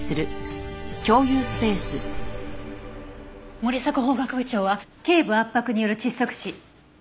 森迫法学部長は頸部圧迫による窒息死。